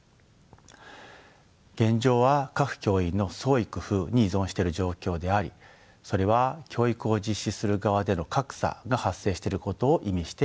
現状は各教員の創意工夫に依存してる状況でありそれは教育を実施する側での格差が発生してることを意味しています。